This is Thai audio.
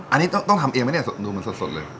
อันนี้ต้องทำเองไหมเนี่ยดูเหมือนสดเลย